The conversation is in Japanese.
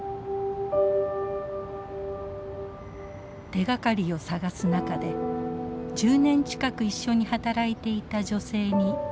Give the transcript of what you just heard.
手がかりを探す中で１０年近く一緒に働いていた女性にたどりつきました。